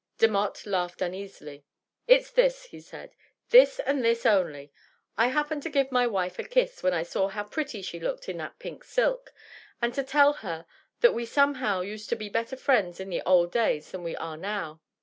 Demotte laughed uneasily. "It's this," he said, "this and this only : I happened to rive my wife a kiss when I saw how pretty she looked in that pink silk, ana to tell her that we somehow used to be better friends in the old days than we are now.